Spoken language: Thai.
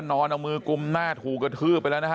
นอนเอามือกุมหน้าถูกกระทืบไปแล้วนะฮะ